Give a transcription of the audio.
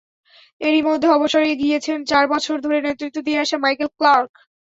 এরই মধ্যে অবসরে গিয়েছেন চার বছর ধরে নেতৃত্ব দিয়ে আসা মাইকেল ক্লার্ক।